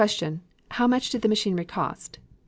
How much did the machinery cost?